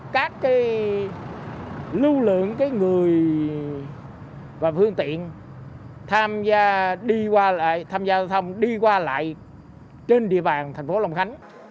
các lưu lượng người và phương tiện tham gia giao thông đi qua lại trên địa bàn thành phố long khánh